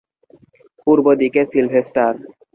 পূর্ব দিকে সিলভেস্টার।